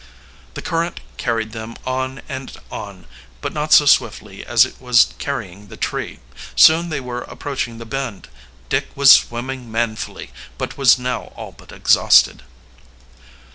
The current carried them on and on, but not so swiftly as it was carrying the tree. Soon they were approaching the bend. Dick was swimming manfully, but was now all but exhausted.